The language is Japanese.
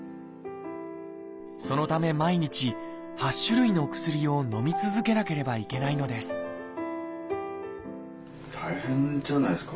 そのため毎日８種類の薬をのみ続けなければいけないのです大変じゃないですか？